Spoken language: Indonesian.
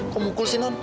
kok mukul sih non